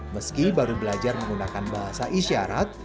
meski baru belajar menggunakan bahasa isyarat